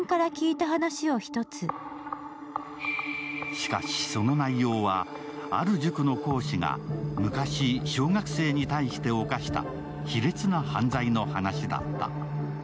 しかし、その内容はある塾の講師が昔、小学生に対して犯した卑劣な犯罪の話だった。